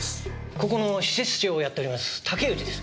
ここの施設長をやっております竹内です。